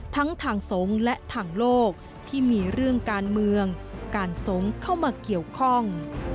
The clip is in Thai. ทั้งทางสงฆ์และทางโลกที่มีเรื่องการเมืองการสงฆ์เข้ามาเกี่ยวข้อง